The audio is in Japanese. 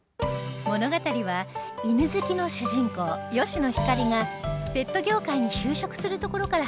物語は犬好きの主人公吉野ひかりがペット業界に就職するところから始まります